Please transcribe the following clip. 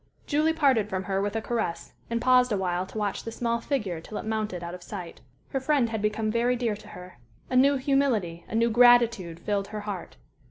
Julie parted from her with a caress, and paused awhile to watch the small figure till it mounted out of sight. Her friend had become very dear to her. A new humility, a new gratitude filled her heart.